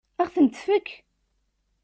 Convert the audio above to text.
Ad ɣ-tent-tefk?